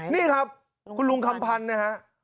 นี่ครับคุณลุงคำพันธ์นะฮะ